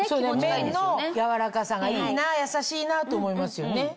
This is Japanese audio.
綿の柔らかさがいいな優しいなと思いますよね。